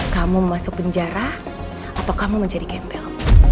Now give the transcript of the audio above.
kamu mau masuk penjara atau kamu mau jadi gembel